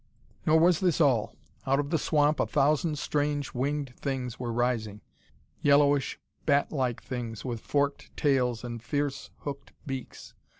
Nor was this all. Out of the swamp a thousand strange, winged things were rising: yellowish, bat like things with forked tails and fierce hooked beaks.